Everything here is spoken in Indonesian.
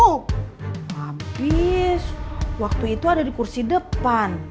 habis waktu itu ada di kursi depan